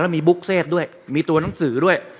มีบุ๊กเศษด้วยมีตัวหนังสือด้วย